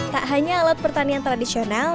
tak hanya alat pertanian tradisional